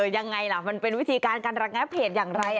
อย่างไรล่ะมันเป็นวิธีการการรักงานเพจอย่างไร